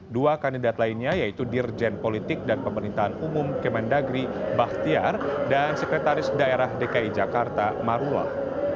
dua kandidat lainnya yaitu dirjen politik dan pemerintahan umum kemendagri bahtiar dan sekretaris daerah dki jakarta marullah